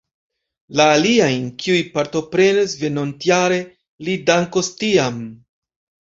La aliajn, kiuj partoprenos venontjare, li dankos tiam.